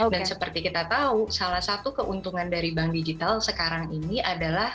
dan seperti kita tahu salah satu keuntungan dari bank digital sekarang ini adalah